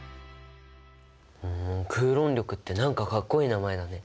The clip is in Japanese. クーロン力って何かかっこいい名前だね。